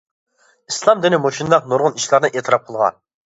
ئىسلام دىنى مۇشۇنداق نۇرغۇن ئىشلارنى ئېتىراپ قىلغان.